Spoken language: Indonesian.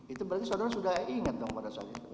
itu berarti saudara sudah ingat dong pada saat itu